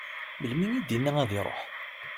Melmi i d-inna ad d-iruḥ?